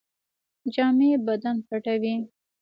جامې بدن پټوي